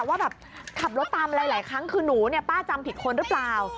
ว่าแบบขับรถตามหลายครั้งคือหนูเนี่ยป้าจำผิดคนหรือเปล่า